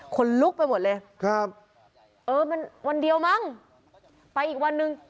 คนลุกไปหมดเลยครับเออมันวันเดียวมั้งไปอีกวันหนึ่ง